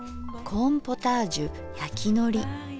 コーンポタージュやきのり。